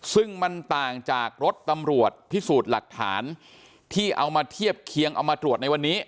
ซึ่งมันต่างจากรถตำรวจพิสูจน์หลักฐานที่เอามาเทียบเคียงเอามาตรวจในวันนี้